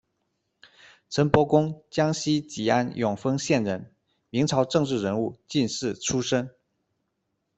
陈伯恭，江西吉安永丰县人，明朝政治人物、进士出身。